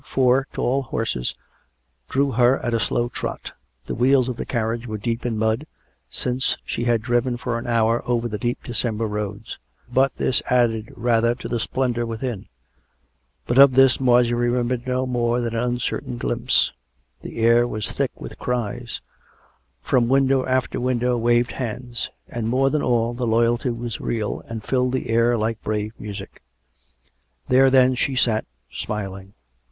Four tall horses drew her at a slow trot: the wheels of the carriage were deep in mud, since she had driven for an hour over the deep December roads; but this added rather to the splendour within. But of this Marjorie re membered no more than an uncertain glimpse. The air was thick with cries; from window after window waved hands; and, more than all, the loyalty was real, and filled the air like brave music. There, then, she sat, smiling.